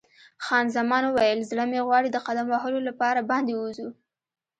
خان زمان وویل: زړه مې غواړي د قدم وهلو لپاره باندې ووځو.